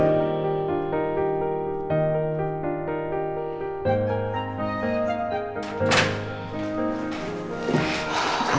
kalau kamuter dong tengok ke depan